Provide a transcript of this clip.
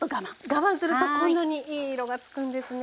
我慢するとこんなにいい色がつくんですね。